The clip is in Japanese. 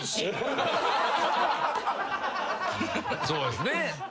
そうですね。